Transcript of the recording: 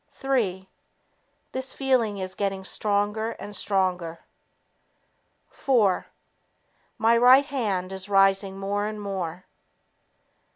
Three ... This feeling is getting stronger and stronger. Four ... My right hand is rising more and more.